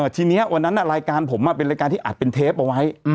ทีนี้วันนั้นรายการผมเป็นรายการที่อัดเป็นเทปเอาไว้